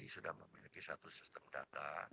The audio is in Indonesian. sudah memiliki satu sistem data